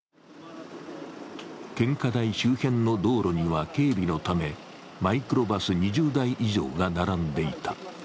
献花台周辺の道路には警備のためマイクロバス２０台以上が並んでいた。